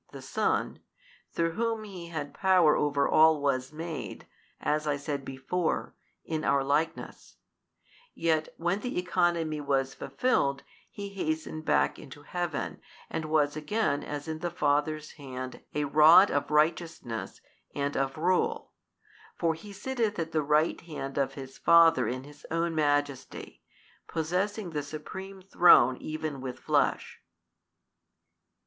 the Son, through Whom He hath power over all was made (as I said before) in our likeness: yet when the economy was fulfilled He hastened back into Heaven and was again as in the Father's Hand a Rod of Righteousness and of Rule; for He sitteth at the Right Hand of His Father in His own Majesty, possessing the Supreme Throne even with Flesh.